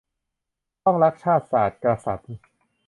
ต้องรัก ชาติ ศาสน์ กษัตริย์